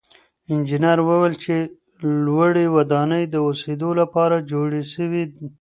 انجنیر وویل چې لوړې ودانۍ د اوسېدو لپاره جوړې سوې.